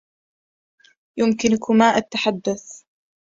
يمكنكما التّحدّث.